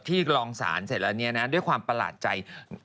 รองสารเสร็จแล้วเนี่ยนะด้วยความประหลาดใจ